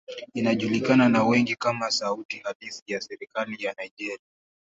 Inajulikana na wengi kama sauti halisi ya serikali ya Nigeria.